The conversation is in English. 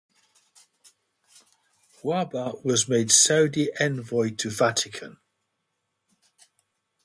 Wahba was made Saudi envoy to Vatican.